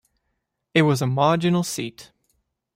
It was a marginal seat.